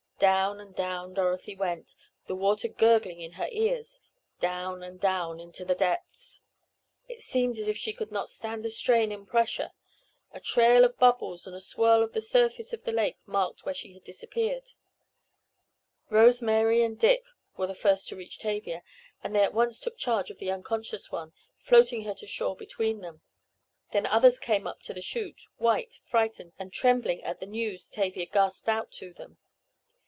Down and down Dorothy went, the water gurgling in her ears—down and down into the depths. It seemed as if she could not stand the strain and pressure. A trail of bubbles and a swirl of the surface of the lake marked where she had disappeared. Rose Mary and Dick were the first to reach Tavia, and they at once took charge of the unconscious one, floating her to shore between them. Then others came up to the chute, white, frightened and trembling at the news Tavia gasped out to them.